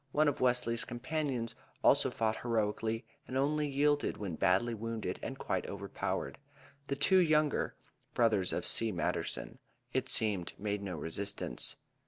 One of Wesley's companions also fought heroically and only yielded when badly wounded and quite overpowered. The two younger (brothers of C. Matterson) it seemed made no resistance.